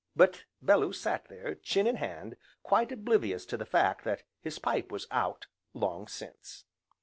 But Bellew sat there, chin in hand, quite oblivious to the fact that his pipe was out, long since.